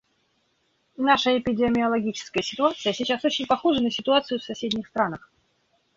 Наша эпидемиологическая ситуация сейчас очень похожа на ситуацию в соседних странах.